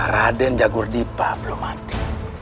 raden jagur dipa belum mati